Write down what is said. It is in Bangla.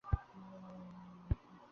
অমন-দুটি হাতের পরে দাবি করবে না?